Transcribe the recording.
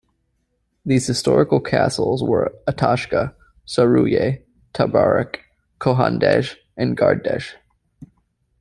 These historical castles were "Atashgah", "Sarooyieh", "Tabarok", "Kohan Dej", and "Gard Dej".